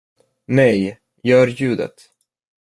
Nej, gör ljudet.